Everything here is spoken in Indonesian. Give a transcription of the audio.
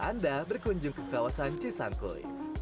anda berkunjung ke kawasan cisangkui